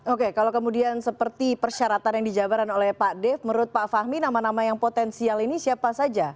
oke kalau kemudian seperti persyaratan yang dijabaran oleh pak dev menurut pak fahmi nama nama yang potensial ini siapa saja